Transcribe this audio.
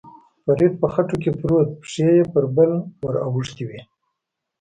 فرید په خټو کې پروت، پښې یې پر پل ور اوښتې وې.